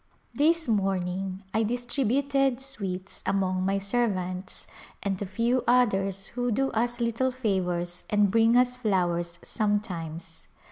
This morning I distributed sweets among my serv ants and a few others who do us little favors and bring us flowers sometimes.